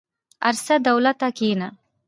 ارڅه دولته کينه.